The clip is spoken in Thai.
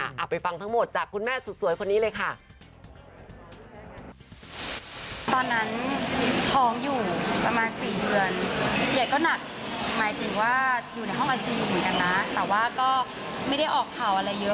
เอาไปฟังทั้งหมดจากคุณแม่สุดสวยคนนี้เลยค่ะ